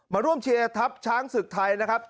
มาร่วมเชียร์ทัพช้างศึกไทยนะครับ